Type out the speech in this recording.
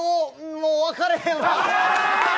もう分からへん。